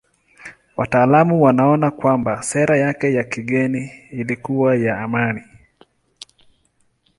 Wataalamu wanaona kwamba sera yake ya kigeni ilikuwa ya amani.